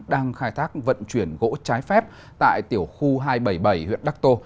đang khai thác vận chuyển gỗ trái phép tại tiểu khu hai trăm bảy mươi bảy huyện đắc tô